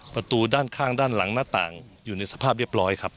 ประตูด้านข้างด้านหลังหน้าต่างอยู่ในสภาพเรียบร้อยครับ